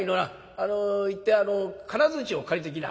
あの行って金づちを借りてきな」。